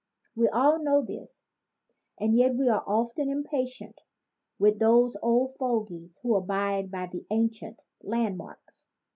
We all know this, and yet we are often impatient with those old fogies who abide by the ancient land marks.